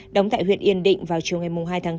đóng tại huyện yên định vào chiều ngày hai tháng tám